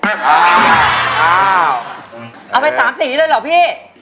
เอาไป๓สีเลยเหรอพี่